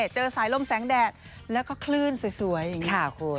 เจอสายลมแสงแดดแล้วก็คลื่นสวยอย่างนี้ค่ะคุณ